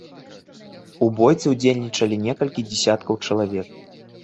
У бойцы ўдзельнічалі некалькі дзясяткаў чалавек.